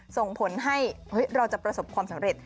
ส่งผลให้เราจะประสบความสำเร็จ